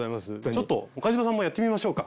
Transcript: ちょっと岡嶋さんもやってみましょうか。